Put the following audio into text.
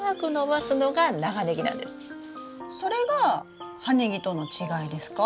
それが葉ネギとの違いですか？